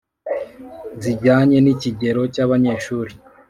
zijyanye n'ikigero cy'abanyeshuri.